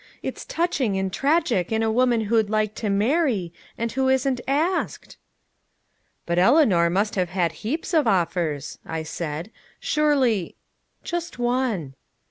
It's touching and tragic in a woman who'd like to marry and who isn't asked!" "But Eleanor must have had heaps of offers," I said, "surely " "Just one."